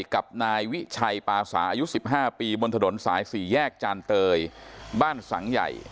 กับนายวิชัยปาสาอายุ๑๕ปีบนถนนสายสี่แยกจานเตยบ้านสังใหญ่